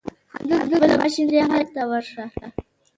هغلته بل ماشین دی هلته ورشه.